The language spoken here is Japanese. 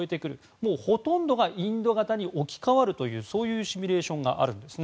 もう、ほとんどがインド型に置き換わるというそういうシミュレーションがあるんです。